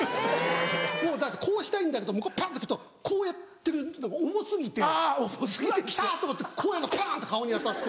もうだってこうしたいんだけどパンって来るとこうやってるのが重過ぎてうわ来た！と思ってこうやるとパン！って顔に当たって。